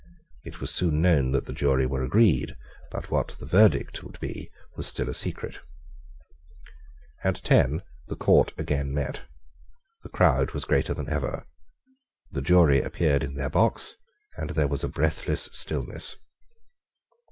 It was soon known that the jury were agreed: but what the verdict would be was still a secret. At ten the Court again met. The crowd was greater than ever. The jury appeared in their box; and there was a breathless stillness.